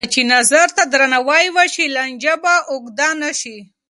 کله چې نظر ته درناوی وشي، لانجه به اوږده نه شي.